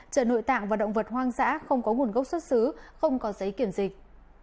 trợ nội tạng và động vật hoang dã không có nguồn gốc xuất xứ không có giấy kiểm dịch